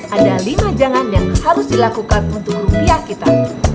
ada lima jangan yang harus dilakukan untuk rupiah kita